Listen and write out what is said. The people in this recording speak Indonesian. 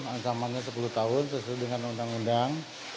ancamannya sepuluh tahun sesuai dengan undang undang